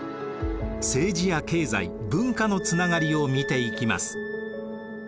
政治や経済文化のつながりを見ていきます。